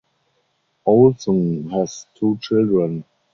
Olson has two children.